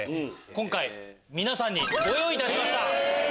今回皆さんにご用意いたしました。